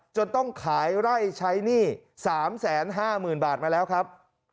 จนต้องขายไร่ใช้หนี้๓๕๐๐๐บาทมาแล้วครับ